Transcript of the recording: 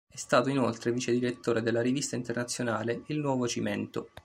È stato inoltre vicedirettore della rivista internazionale "Il Nuovo Cimento".